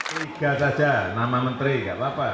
tiga saja nama menteri gak apa apa